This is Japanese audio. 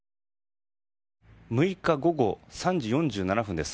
６日午後３時４７分です。